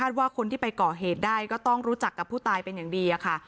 ว่าคนที่ไปก่อเหตุได้ก็ต้องรู้จักกับผู้ตายเป็นอย่างดีค่ะ